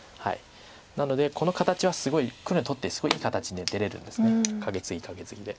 なのでこの形は黒にとってすごいいい形で出れるんですカケツギカケツギで。